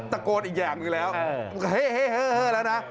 ตะโกดอีกอย่างหนึ่งแล้วเฮ่แล้วนะ